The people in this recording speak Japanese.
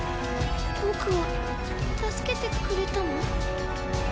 僕を助けてくれたの？